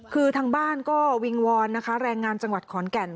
คือทางบ้านก็วิงวอนนะคะแรงงานจังหวัดขอนแก่น